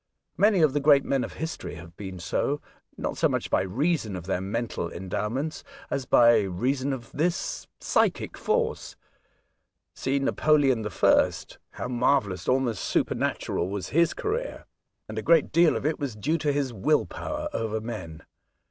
Many of the great men of history have been so, not so much by reason of their mental en dowments, as by reason of this psychic force. See Napoleon I. — how marvellous, almost supernatural, was his career ; and a great deal Oxford, 31 of it was due to his will power over men.